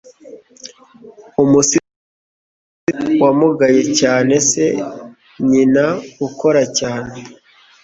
umusizi wamugaye cyane se, nyina ukora cyane